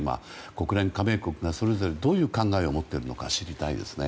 国連加盟国が、それぞれどういう考えを持っているのか知りたいですね。